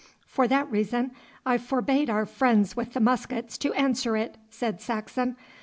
'For that reason I forbade our friends with the muskets to answer it,' said Saxon.